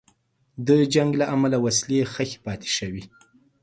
د جنګ له امله وسلې ښخي پاتې شوې.